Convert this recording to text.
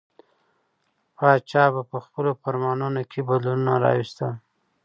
پاچا به په خپلو فرمانونو کې بدلونونه راوستل.